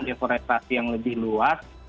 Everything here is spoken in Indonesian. deforestasi yang lebih luas